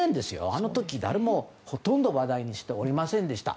あの時、誰もほとんど話題にしておりませんでした。